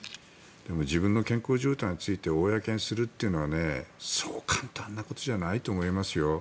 自分の健康状態について公にするというのはそう簡単なことじゃないと思いますよ。